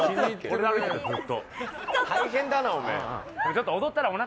大変だな、おめえ。